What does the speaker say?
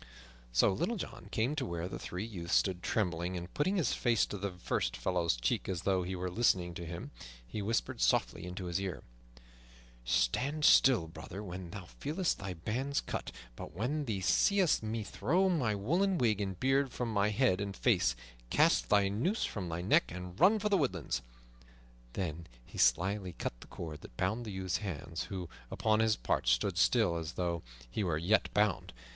So Little John came to where the three youths stood trembling, and, putting his face to the first fellow's cheek as though he were listening to him, he whispered softly into his ear, "Stand still, brother, when thou feelest thy bonds cut, but when thou seest me throw my woolen wig and beard from my head and face, cast the noose from thy neck and run for the woodlands." Then he slyly cut the cord that bound the youth's hands; who, upon his part, stood still as though he were yet bound.